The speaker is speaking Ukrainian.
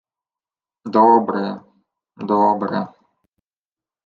— Добре... Добре…